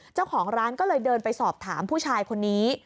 เจ้าของร้านก็เลยเดินไปสอบถามผู้ชายคนนี้